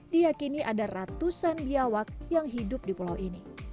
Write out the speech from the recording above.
diakini ada ratusan biawak yang hidup di pulau ini